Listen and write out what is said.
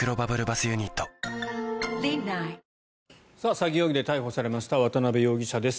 詐欺容疑で逮捕されました渡邊容疑者です。